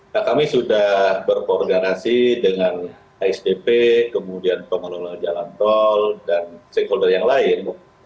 nah kami sudah berkoordinasi dengan asdp kemudian pengelola jalan tol dan stakeholder yang lain